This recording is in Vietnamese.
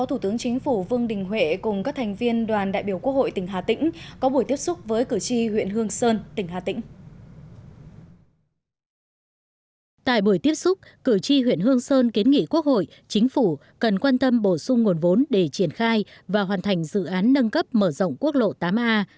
tại buổi tiếp xúc cử tri huyện hương sơn kiến nghị quốc hội chính phủ cần quan tâm bổ sung nguồn vốn để triển khai và hoàn thành dự án nâng cấp mở rộng quốc lộ tám a